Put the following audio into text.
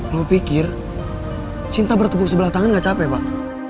lo pikir cinta bertepuk sebelah tangan gak capek bang